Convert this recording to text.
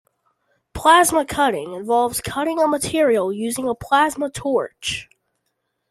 Plasma cutting involves cutting a material using a plasma torch.